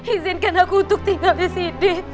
izinkan aku untuk tinggal di sini